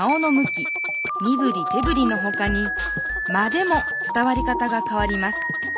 きみぶりてぶりのほかに「間」でも伝わり方がかわります。